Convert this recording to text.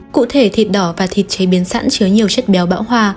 cụ thể thịt đỏ và thịt chế biến sẵn chứa nhiều chất béo bão hoa